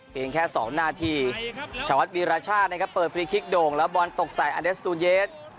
แค่สองนาทีชาวัดวีรชาตินะครับเปิดฟรีคลิกโด่งแล้วบอลตกใส่อเดสตูนเยส